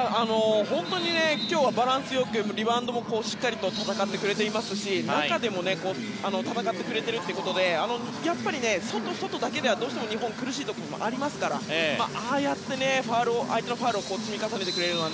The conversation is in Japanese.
本当に今日はバランスよくリバウンドもしっかり戦ってくれていますし中でも戦ってくれているということでやっぱり外、外だけではどうしても日本は苦しい時もありますからああやって相手のファウルを積み重ねてくれるのが